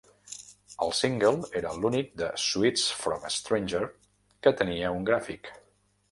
El single era l'únic de "Sweets from a Stranger" que tenia un gràfic.